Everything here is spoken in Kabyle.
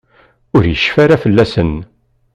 Ur yecfi ara fell-asen.